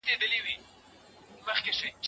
علمي مواد د انټرنیټ له لارې ژر خپریږي.